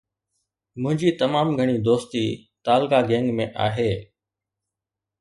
منهنجي تمام گهڻي دوستي تعلقه گنگ ۾ آهي.